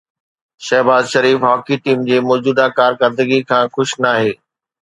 Shahbaz Sharif hockey team جي موجوده ڪارڪردگيءَ کان خوش ناهي